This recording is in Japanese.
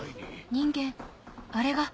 人間あれが。